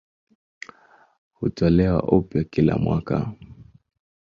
Hutolewa upya kila mwaka.